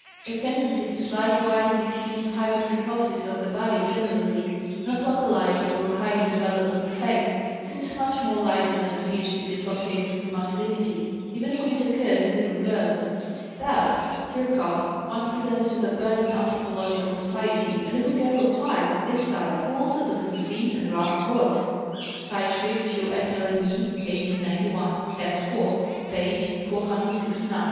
A tendency to slight widely diffused hypertrichosis of the body generally, not localized or highly developed on the face, seems much more likely than a beard to be associated with masculinity, even when it occurs in little girls. Thus Virchow once presented to the Berlin Anthropological Society a little girl of 5 of this type who also possessed a deep and rough voice (Zeitschrift für Ethnologie, 1891, Heft 4, p. 469).